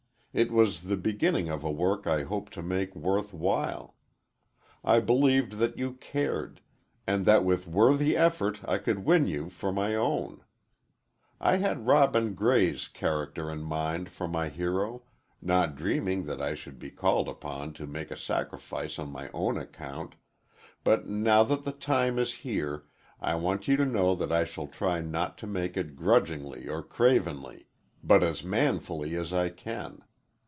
It was the beginning of a work I hoped to make worth while. I believed that you cared, and that with worthy effort I could win you for my own. I had Robin Gray's character in mind for my hero, not dreaming that I should be called upon to make a sacrifice on my own account, but now that the time is here I want you to know that I shall try not to make it grudgingly or cravenly, but as manfully as I can.